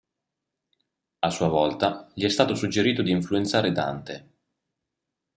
A sua volta, gli è stato suggerito di influenzare Dante.